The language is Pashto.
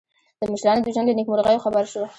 د مشرانو د ژوند له نېکمرغیو خبر شو.